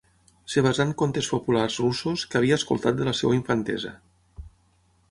Es basà en contes populars russos que havia escoltat de la seva infantesa.